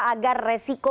agar resiko yang terjadi ya